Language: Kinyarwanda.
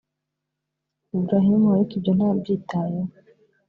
Ebrahim ariko ibyo ntabyitayeho